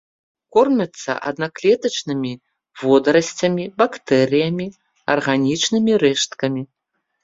Кормяцца аднаклетачнымі водарасцямі, бактэрыямі, арганічнымі рэшткамі.